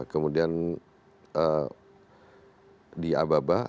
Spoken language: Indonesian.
kemudian di ababa